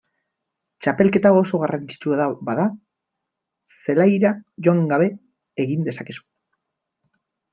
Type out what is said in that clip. Txapelketa oso garrantzitsua bada zelaira joan gabe egin dezakezu.